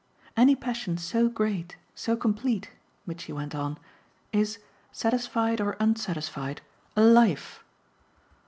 "Any passion so great, so complete," Mitchy went on, "is satisfied or unsatisfied a life."